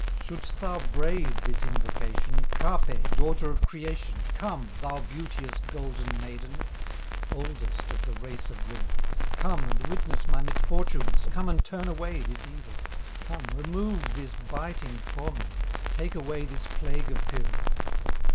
"Shouldst thou brave this invocation, Kapè, daughter of Creation, Come, thou beauteous, golden maiden, Oldest of the race of women, Come and witness my misfortunes, Come and turn away this evil, Come, remove this biting torment, Take away this plague of Piru.